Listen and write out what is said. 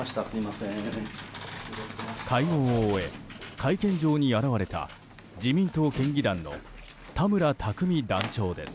会合を終え、会見場に現れた自民党県議団の田村琢実団長です。